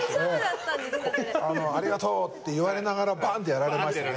ありがとう！って言われながらバン！とやられましてね。